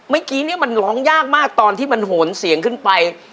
เมื่อกี้เนี่ยมันร้องยากมากตอนที่มันโหนเสียงขึ้นไป